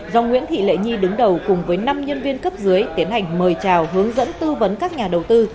do nguyễn thị lệ nhi đứng đầu cùng với năm nhân viên cấp dưới tiến hành mời chào hướng dẫn tư vấn các nhà đầu tư